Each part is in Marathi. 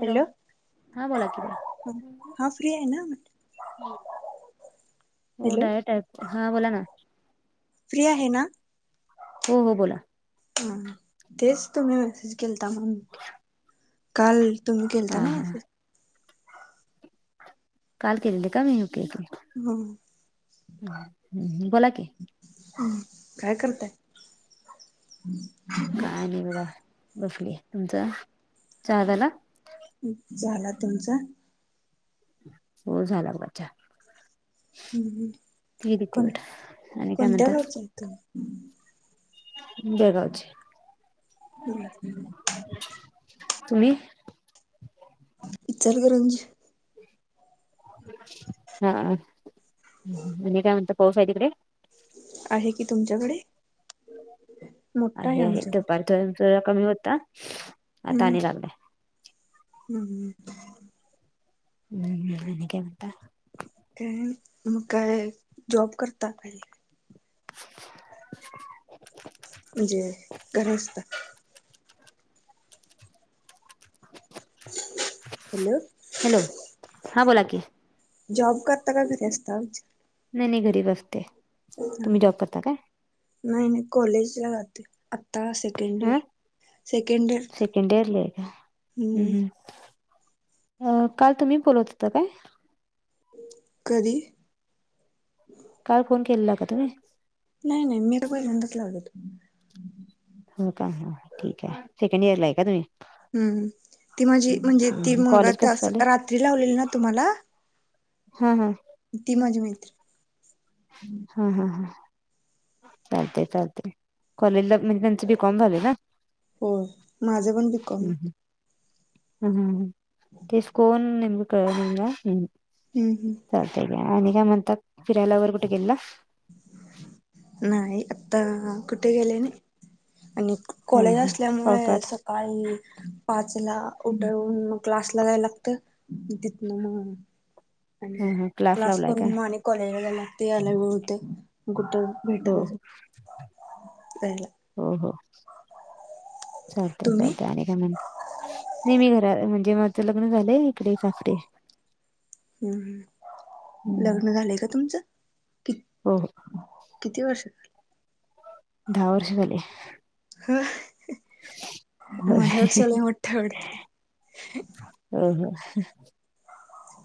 हॅलो हा बोला की बाई. हा फ्री आहे ना हो हॅलो डायरेट आहे, हा बोला ना. फ्री आहे ना? हो हो बोला. ह तेच तुम्ही मेसेज केलता म काल तुम्ही केलता हां ना हां मेसेज? काल केलेली का मी ओके ओके ह हम हम बोला की. हम काय करताय? काय नाही बघा बसलोय, तुमचं चहा झाला? झाला तुमचा? हो झाला बघा चहा. हम् हम ती देते कोण बेटा आणि काय कोणत्या म्हणता गावच आहे तम. बेळगावची, हम्म तुम्ही? इचलकरंजी. हा आणि काय म्हणता पाऊस आहे तिकडे? आहे की, तुमच्याकडे? मोठा आहे आहे आमच्याकडे दुपारी थोड कमी होता आता आणि लागलाय. हम् हम. हम्म म आणि काय म्हणता? काय नाही म काय जॉब करता काय? [inaudible] म्हणजे घरी असता. हॅलो. हॅलो हा बोला की. जॉब करता का घरी असता वी नाही नाही घरी ब असते तुम्ही जॉब करता काय? नाही नाही कॉलेजला जाते आत्ता सेकंड हा इयर. सेकंडडेर्थ. होय काय हम हम अ काल तुम्ही बोलत होता काय? कधी? काल फोन केलेला का तुम्ही? नाही नाही मी तर पहिलंदच लावले तुम्हाला. हो का ह ठीक आहे सेकंड ईयर लाय का तुमही? हम् ती माझी म्हणजे ती मग कॉलेज ती कसं अस चालू आहे रात्री लावलेली ना तुम्हाला हा हा. ती माझी मैत्रीण. हा हां हा. चालतंय चालतंय कॉलेजला म्हणजे त्यांच बी कॉम झालय ना? होय माझ पण बी कॉम आहे. ह ह तेच कोण नेमक कळना मला हम. हम् हम्. चालतंय घ्या आणि काय म्हणतात फिरायला वगैरे कुठे गेलेला? नाही आता कुठे गेले नाही आणि हां कॉलेज हां असल्यामुळे पावसात सकाळी पाच ला उठवुन मग क्लास जायला लागत म तिथन म आणि हां हां क्लास लावलाय काय करून मग आणि कॉलेजला जायला लागतय यायला वेळ होतय मग कुठ हो जायला हो हो हो. चालतंय तुम्ही चालतंय आणि काय करता नाही मी घरा म्हणजे माझं लग्न झालंय इकडेच आसते. हम्म हम्म हम्म. लग्न झालंय का तुमचं किती? हो हो. किती वर्ष झाली? दहा वर्ष झाली. हा. आहे वाटतं हो हो.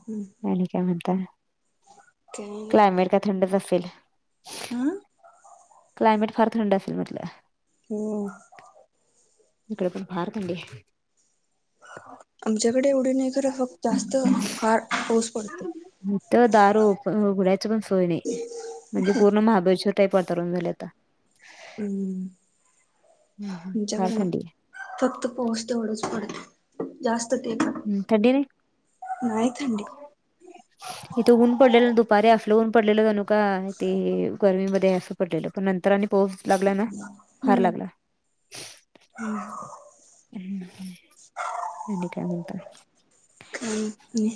हम्म. आणि काय म्हणता काय क्लायमेट काय थंडच असेल. हम. क्लायमेट फार थंड असेल म्हटलं. हो. इकडे पण फार थंडी आहे. आमच्याकडे एवढी नाही खरं फक्त जास्त फार पाऊस पडतय. इथं दार ऊघडायची पण सोय नाही. म्हणजे पूर्ण महाबळेश्वर टाईप वातावरण झालय आता. हम्म फार तुमच्याकडन थंडी फक्त पाऊस तेवढंच पडत. जास्त ते पण आहे थंडी नाही थंडी. इथे ऊन पडलेलं दुपारी आपलं ऊन पडलेलं जणू का ते गर्मीमध्ये अस. पडलेल नंतर आणि पाऊस लागला ना फार हम्म लागला हम. हम्म हम्म आणि काय म्हणता. काही नाही.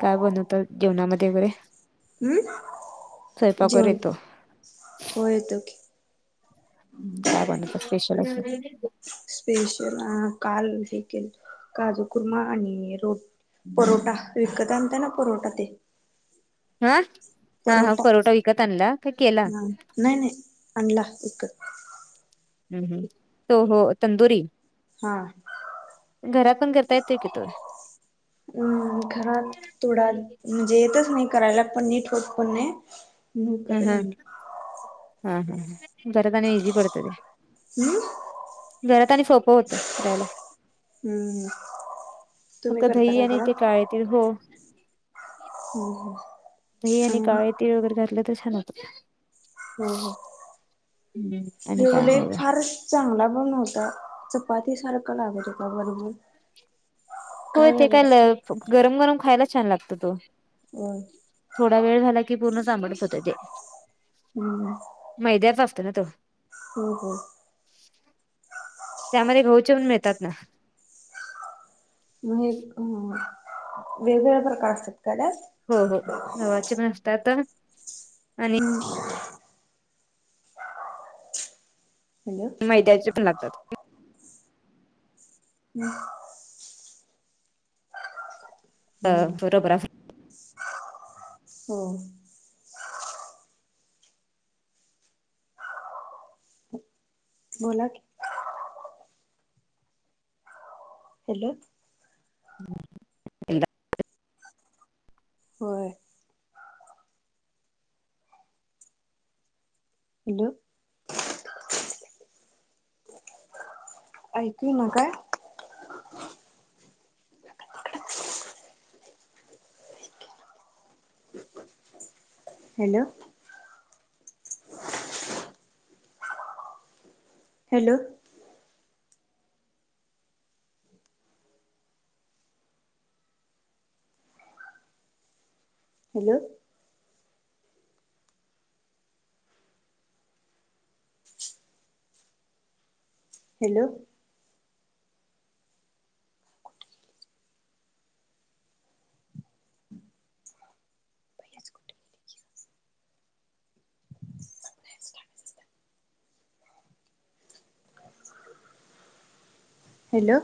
काय बनवताय जेवणामध्ये वगैरे. हम्म स्वयंपाक वगैरे जेवण येतो हो येतो की. हम्म काय बनवता स्पेशल असं. स्पेशल काल हे केलत काजूकुर्मा आणि रोट. परोटा विकत आणता ना परोटा ते. हा हा हा परोटा परोठा विकत आणला की केला. हा नाही नाही आणला विकत. हम्म हम्म तो हो तंदुरी. हा. घरात पण करता येतोय कि तो. हम्म घरात तोडात. म्हणजे येतच नाही करायला पण नीट होत पण नाही म्हणून ह विकतच आणला. हा हा घरात आणि इझी पडत ते. हम्म. घरात आणि सोपं होत करायला. हम्म तुम्ही फक्त दही करता आहे आणि ते काळ येतील हो हो हो दही आणि काळे तीळ वगैरे घातले तर छान होतं. हो हो हम्म आणि काय जेवले नाही बा फार चांगला पण नव्हता चपाती सारखं लागत होता बरबन होय ते काय गरम गरम खायला छान लागत तो हम थोडा वेळ झाला की पूर्ण चाबट होत ते हम् मैद्याचा चा असतो ना तो हो हो त्यामध्ये घवचे पण मिळतात ना. म्ह हम वेगवेगळ्या प्रकार असत्यात हो हो गव्हाचे पण असतात. आणि हम् हॅलो मैद्याचे पण लागतात. हम् अ हम रबरा हम् हो बोला हॅलो [inaudible] होय. हॅलो ऐकु येइना काय हॅलो हॅलो हॅलो हॅलो हमं पहिच कुठ [inaudible] हॅलो